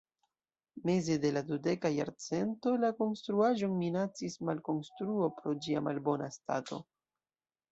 Meze de la dudeka jarcento la konstruaĵon minacis malkonstruo pro ĝia malbona stato.